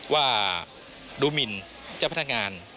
ว่าดูหมินเจ้าพนักงาน